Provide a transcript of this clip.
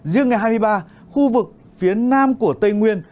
riêng ngày hai mươi ba khu vực phía nam của tây nguyên